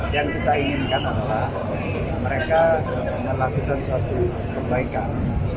yang kita inginkan adalah mereka melakukan suatu perbaikan